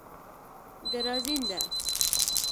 دراځینده